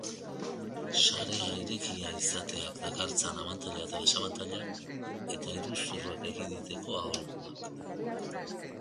Sarea irekia izateak dakartzan abantaila eta desabantailak eta iruzurrak ekiditeko aholkuak.